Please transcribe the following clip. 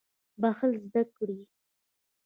بخښل زده کړئ